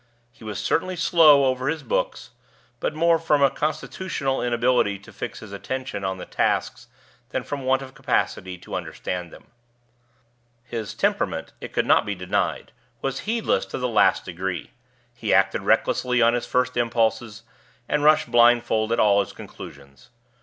He was certainly slow over his books, but more from a constitutional inability to fix his attention on his tasks than from want of capacity to understand them. His temperament, it could not be denied, was heedless to the last degree: he acted recklessly on his first impulses, and rushed blindfold at all his conclusions.